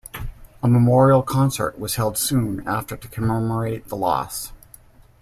A memorial concert was held soon after to commemorate the loss.